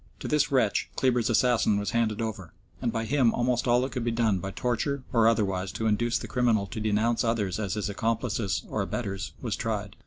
To this wretch Kleber's assassin was handed over, and by him almost all that could be done by torture or otherwise to induce the criminal to denounce others as his accomplices or abettors was tried.